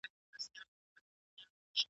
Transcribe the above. د ژوند ستونزې انسان قوي کوي.